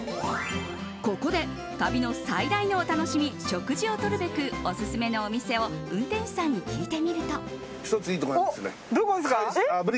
ここで旅の最大のお楽しみ食事をとるべくオススメのお店を運転手さんに聞いてみると。